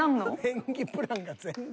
演技プランが全然。